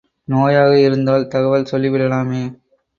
நோயாக இருந்தால் தகவல் சொல்லி விடலாமே!